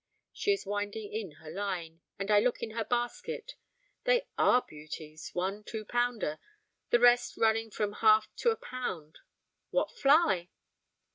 She is winding in her line, and I look in her basket; they are beauties, one two pounder, the rest running from a half to a pound. 'What fly?'